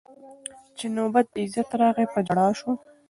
چي نوبت د عزت راغی په ژړا سو